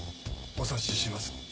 お察しします。